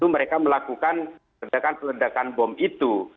mereka melakukan ledakan peledakan bom itu